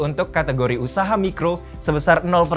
untuk kategori usaha mikro sebesar